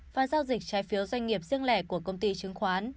và giao dịch trái phiếu doanh nghiệp riêng lẻ của công ty chứng khoán